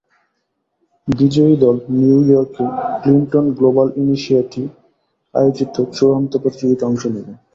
বিজয়ী দল নিউইয়র্কে ক্লিনটন গ্লোবাল ইনিশিয়েটি আয়োজিত চূড়ান্ত প্রতিযোগিতায় অংশ নেবে।